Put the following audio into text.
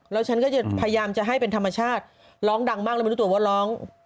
แล้วฉันก็จะพยายามจะให้เป็นธรรมชาติร้องดังมากแล้วไม่รู้ตัวว่าร้อง